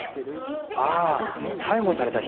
あぁ逮捕された人。